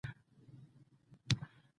کله چې دوی ډوډۍ او شراب وڅښل.